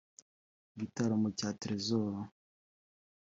Igitaramo cya Trezzor